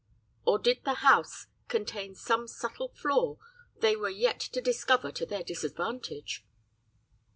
"Or did the house contain some subtle flaw they were yet to discover to their disadvantage?